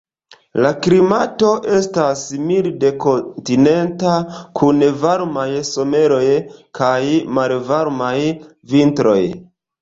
La klimato estas milde kontinenta, kun varmaj someroj kaj malvarmaj vintroj.